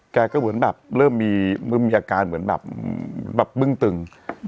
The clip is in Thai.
แกก็เหมือนมีอาการเหมือนแบบบึ่งตึง